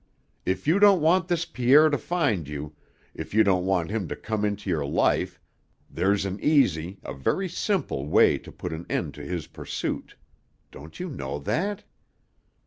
If you don't want this Pierre to find you, if you don't want him to come into your life, there's an easy, a very simple, way to put an end to his pursuit. Don't you know that?"